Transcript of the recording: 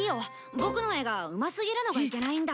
ボクの絵がうますぎるのがいけないんだ。